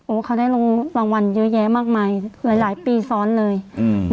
เขาได้ลงรางวัลเยอะแยะมากมายหลายหลายปีซ้อนเลยอืม